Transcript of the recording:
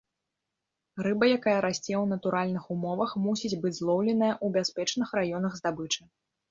Рыба, якая расце ў натуральных умовах, мусіць быць злоўленая ў бяспечных раёнах здабычы.